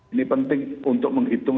ini penting untuk menghitung